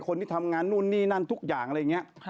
คนที่ทำงานนู่นนี่นั่นทุกอย่างอะไรอย่างนี้